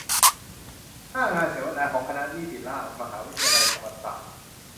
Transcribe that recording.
หน้างานเสวนาของคณะนิติราษฎร์ มหาวิทยาลัยธรรมศาสตร์